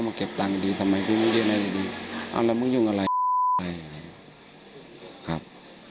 เป็นไอ้อะไรครับ